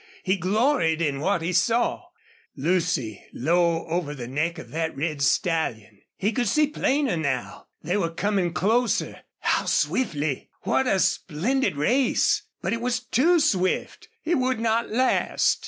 He gloried in what he saw Lucy low over the neck of that red stallion. He could see plainer now. They were coming closer. How swiftly! What a splendid race! But it was too swift it would not last.